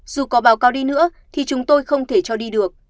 dù có báo cáo đi nữa thì chúng tôi không thể cho đi được